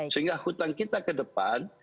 sehingga hutang kita ke depan